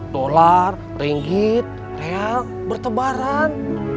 dolar ringgit real bertebaran